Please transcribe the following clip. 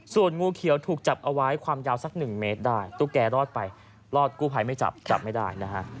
ส่วนงูเขียวถูกจับเอาไว้ความยาวสักหนึ่งเมตรได้ตุ๊กแกรอดไปรอดกู้ภัยไม่จับจับไม่ได้นะฮะ